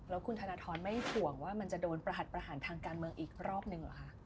แล้วคุณธนทรไม่ห่วงว่ามันจะโดนประหัสประหารทางการเมืองอีกรอบหนึ่งเหรอคะ